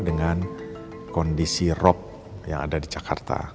dengan kondisi rop yang ada di jakarta